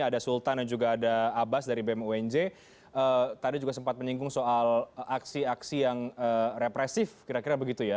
ada sultan dan juga ada abbas dari bem unj tadi juga sempat menyinggung soal aksi aksi yang represif kira kira begitu ya